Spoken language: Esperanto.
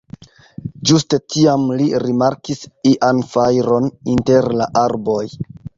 Ĝuste tiam li rimarkis ian fajron inter la arboj.